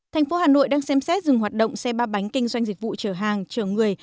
thành phố hà nội đang xem xét dừng hoạt động xe ba bánh kinh doanh dịch vụ chở hàng chở người